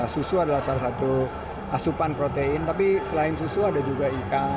susu adalah salah satu asupan protein tapi selain susu ada juga ikan